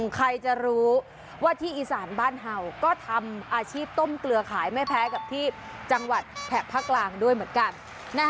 ใครจะรู้ว่าที่อีสานบ้านเห่าก็ทำอาชีพต้มเกลือขายไม่แพ้กับที่จังหวัดแถบภาคกลางด้วยเหมือนกัน